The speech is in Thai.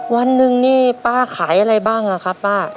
วันหนึ่งนี่ป้าขายอะไรบ้างอะครับป้า